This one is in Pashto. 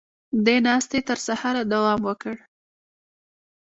دې ناستې تر سهاره دوام وکړ.